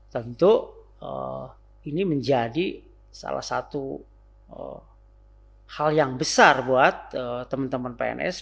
tentu ini menjadi salah satu hal yang besar buat teman teman pns